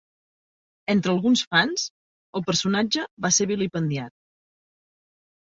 Entre alguns fans, el personatge va ser vilipendiat.